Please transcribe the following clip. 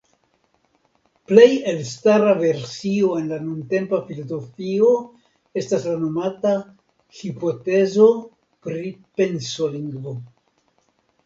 Plej elstara versio en la nuntempa filozofio estas la nomata "hipotezo pri pensolingvo".